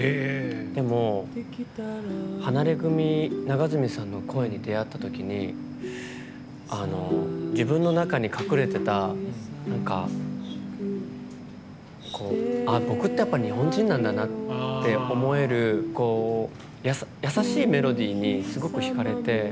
でも、ハナレグミの永積さんの声に出会った時に自分の中に隠れてた僕ってやっぱり日本人なんだなって思える優しいメロディーにすごく引かれて。